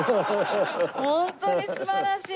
ホントに素晴らしい。